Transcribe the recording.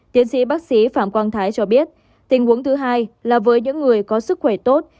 tiến sĩ bác sĩ phạm quang thái cho biết tình huống thứ hai là với những người có sức khỏe tốt